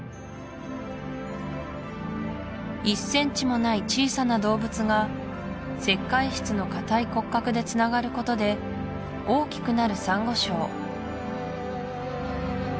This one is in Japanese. １ｃｍもない小さな動物が石灰質の硬い骨格でつながることで大きくなるサンゴ礁